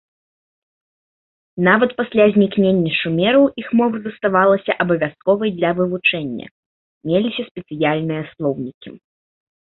Нават пасля знікнення шумераў іх мова заставалася абавязковай для вывучэння, меліся спецыяльныя слоўнікі.